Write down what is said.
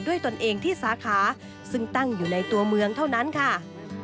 ตนเองที่สาขาซึ่งตั้งอยู่ในตัวเมืองเท่านั้นค่ะ